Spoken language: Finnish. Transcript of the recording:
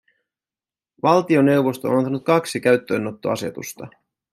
Valtioneuvosto on antanut kaksi käyttöönottoasetusta.